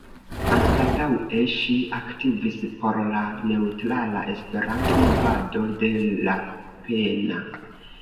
Anstataŭe ŝi aktivis por la "Neŭtrala Esperanto-Movado" de Lapenna.